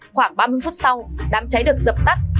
khoảng ba mươi phút sau đám cháy được dập tắt